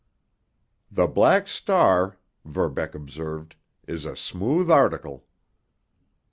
"The Black Star," Verbeck observed, "is a smooth article."